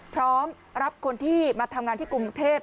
พร้อมรับคนที่มาทำงานที่กรุงเทพ